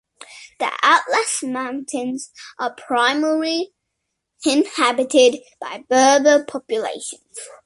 The Atlas mountains are primarily inhabited by Berber populations.